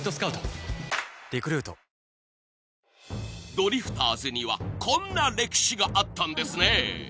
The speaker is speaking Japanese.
［ドリフターズにはこんな歴史があったんですね］